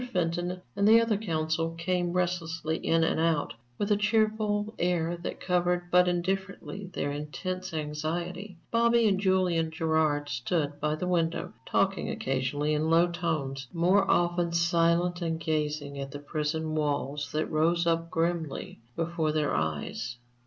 Fenton and the other counsel came restlessly in and out, with a cheerful air that covered but indifferently their intense anxiety; Bobby and Julian Gerard stood by the window, talking occasionally in low tones, more often silent and gazing at the prison walls that rose up grimly before their eyes.